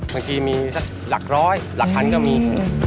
บางทีมีสักหลักร้อยหลักพันก็มี